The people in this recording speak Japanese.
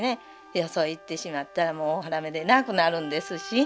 よそ行ってしまったらもう大原女でなくなるんですし。